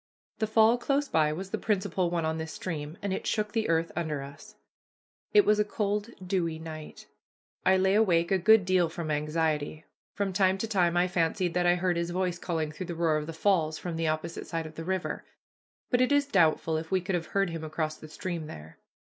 The fall close by was the principal one on this stream, and it shook the earth under us. It was a cool, dewy night. I lay awake a good deal from anxiety. From time to time I fancied that I heard his voice calling through the roar of the falls from the opposite side of the river; but it is doubtful if we could have heard him across the stream there.